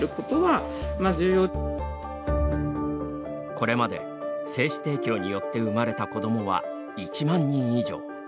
これまで精子提供によって生まれた子どもは、１万人以上。